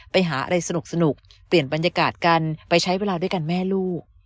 ไปหาอะไรสนุกเปลี่ยนบรรยากาศกันไปใช้เวลาด้วยกันแม่ลูก